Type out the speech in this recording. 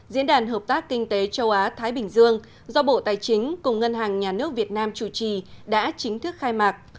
diễn đàn hợp tác kinh tế châu á thái bình dương do bộ tài chính cùng ngân hàng nhà nước việt nam chủ trì đã chính thức khai mạc